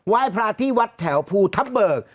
ยพระที่วัดแถวภูทับเบิก